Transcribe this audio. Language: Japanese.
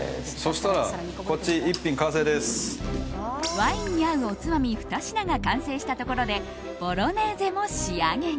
ワインに合うおつまみ２品が完成したところでボロネーゼも仕上げに。